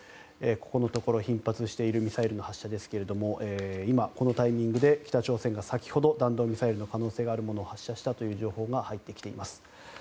ここのところ頻発しているミサイルの発射ですけれども今、このタイミングで北朝鮮が先ほど弾道ミサイルの可能性があるものを発射したという情報が入ってきています。